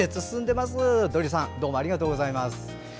どりさんどうもありがとうございます。